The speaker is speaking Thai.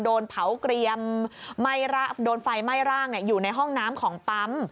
โดนเผาเกรียมโดนไฟไหม้ร่างอยู่ในห้องน้ำของปั๊ม